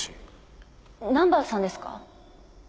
南原さんですか？